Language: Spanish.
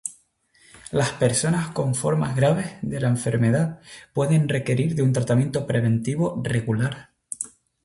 Las personas con formas graves de la enfermedad pueden requerir un tratamiento preventivo regular.